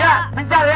ya mencar ya